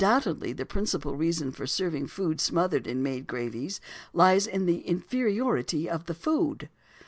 Undoubtedly, the principal reason for serving food smothered in made gravies lies in the inferiority of the food.